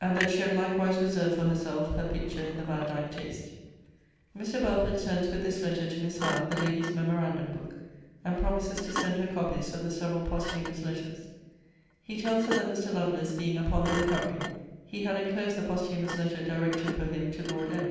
And that she had likewise reserved for herself her picture in the Vandyke taste. Mr. Belford sends with this letter to Miss Howe the lady's memorandum book, and promises to send her copies of the several posthumous letters. He tells her that Mr. Lovelace being upon the recovery, he had enclosed the posthumous letter directed for him to Lord M.